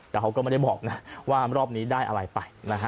แต่เขาก็ไม่ได้บอกนะว่ารอบนี้ได้อะไรไปนะฮะ